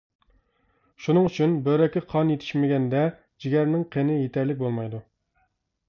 شۇنىڭ ئۈچۈن، بۆرەككە قان يېتىشمىگەندە جىگەرنىڭ قېنى يېتەرلىك بولمايدۇ.